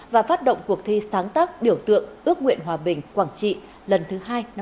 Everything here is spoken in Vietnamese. và phát động cuộc thi sáng tác biểu tượng ước nguyện hòa bình quảng trị lần thứ hai năm hai nghìn hai mươi